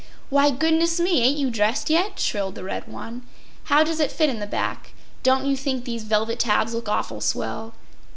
“Why, goodness me! ain’t you dressed yet?” shrilled the red one. “How does it fit in the back? Don’t you think these velvet tabs look awful swell?